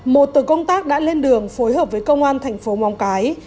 một tổ công tác đã lên đường phối hợp với công an thành phố móng cái